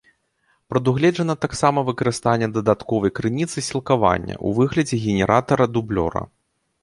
Прадугледжана таксама выкарыстанне дадатковай крыніцы сілкавання ў выглядзе генератара-дублёра.